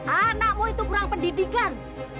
anakmu itu kurang pendidikan